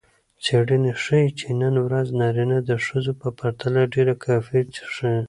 څیړنې ښيي چې نن ورځ نارینه د ښځو په پرتله ډېره کافي څښي.